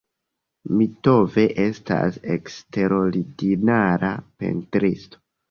Mitov estas eksterordinara pentristo.